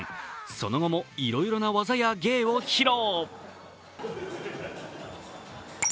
その後もいろいろな技や芸を披露。